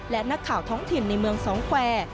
และนักข่าวท้องถิ่นในเมืองสองแควร์